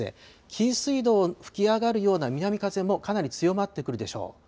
紀伊水道をふき上がるような南風もかなり強まってくるでしょう。